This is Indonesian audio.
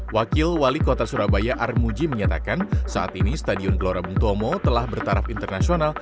wakil wali kota surabaya armuji menyatakan saat ini stadion gelora bung tomo telah bertaraf internasional